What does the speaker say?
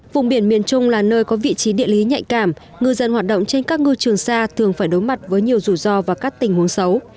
vùng biển miền trung là nơi có vị trí địa lý nhạy cảm ngư dân hoạt động trên các ngư trường xa thường phải đối mặt với nhiều rủi ro và các tình huống xấu